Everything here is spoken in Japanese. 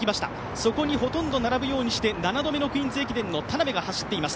そこにほとんど並ぶようにして７度目のクイーンズ駅伝の田邊が走っています。